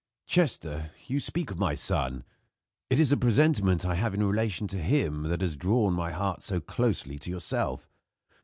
"Chester, you speak of my son. It is a presentiment I have in relation to him that has drawn my heart so closely to yourself.